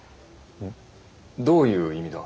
どういう意味だ。